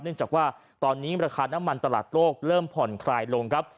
เนื่องจากว่าตอนนี้ราคาน้ำมันตลาดโลกเริ่มผ่อนคลายลงครับ